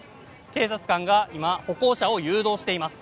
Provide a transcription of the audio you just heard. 警察官が今、歩行者を誘導しています。